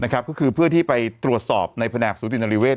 ก็คือเพื่อที่ไปตรวจสอบในแผนกสูตินริเวศ